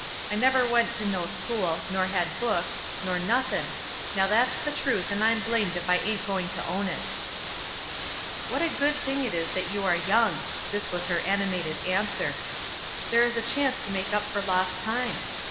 I never went to no school, nor had books, nor nothin'; now that's the truth, and I'm blamed if I ain't going to own it." "What a good thing it is that you are young." This was her animated answer. "There is a chance to make up for lost time.